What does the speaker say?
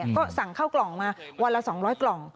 ก็สั่งข้าวกล่องมาวันละ๒๐๐กล่อง